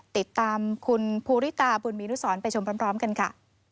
ติดตามคุณภูริตาบุญมีนุสรไปชมพร้อมกันค่ะ